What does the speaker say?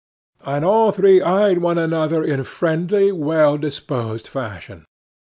And all three eyed one another in friendly, well disposed fashion.